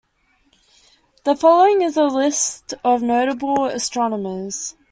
The following is a list of notable astronomers.